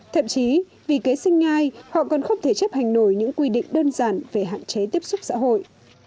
thậm chí vì kế sinh nhai họ còn không thể chấp hành nổi những quy định đơn giản về hạn chế tiếp xúc xã hội